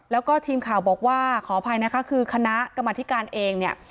แล้วก็ทีมข่าวบอกว่าขออภัยนะคะคือคณะกรรมธิการเองเนี่ย